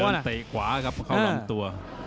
เกินตัวกวาเข้าหล่อตัว